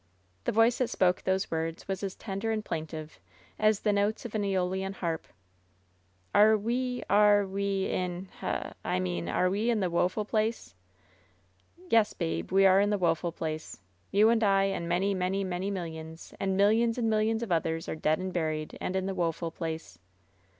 The voice that spoke those words was as tender and plaintive as the notes of an Eolian harp. "Are — ^we — are — ^we — ^in h — I mean, are we in the woeful place ?" "Yes, babe, we are in the woeful place. Tou and I and many, many, many millions, and millions and mil lions of others are dead and buried, and in the woef ol place."